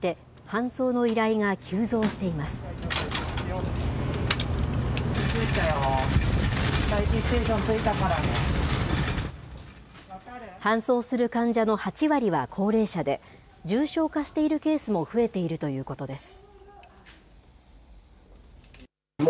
搬送する患者の８割は高齢者で、重症化しているケースも増えているということです。